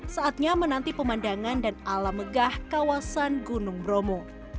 saatnya menanti pemandangan dan alam megah kawasan gunung bromo